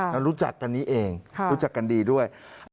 แล้วรู้จักกันนี้เองรู้จักกันดีด้วย